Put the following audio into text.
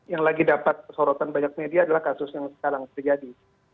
yang lagi dapat sorotan banyak media adalah kasus yang sekarang terjadi